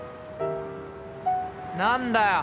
何だよ！